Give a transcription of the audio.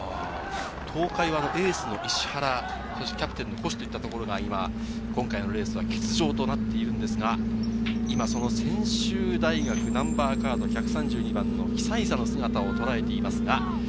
東海はエースの石原、そしてキャプテンの越といったところが、今回のレースは欠場となっているんですが、今、その専修大学、ナンバーカード１３２番のキサイサの姿を捉えています。